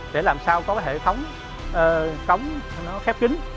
để làm sao có hệ thống cống nó khép kín